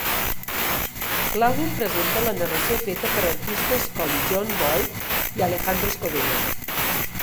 L'àlbum presenta la narració feta per artistes com Jon Voight i Alejandro Escovedo.